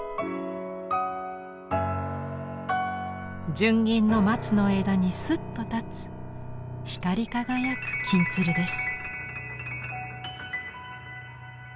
純銀の松の枝にスッと立つ光り輝く「金鶴」です。